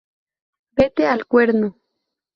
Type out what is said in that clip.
Vete al cuerno